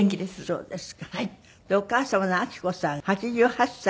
そうです！